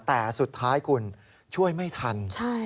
แต่สุดท้ายคุณช่วยไม่ทัน